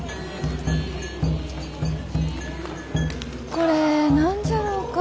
これ何じゃろうか？